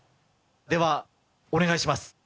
ではお願いします。